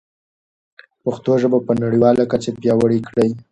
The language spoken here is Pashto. پښتو ژبه په نړیواله کچه پیاوړې کړئ.